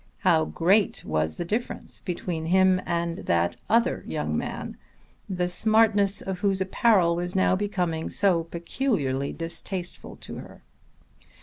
How great was the difference between him and that other young man, the smartness of whose apparel was now becoming peculiarly distasteful to her!